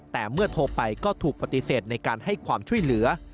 แต่เมื่อโทรไปก็ถูกปฏิเสธในการให้ความช่วยเหลือ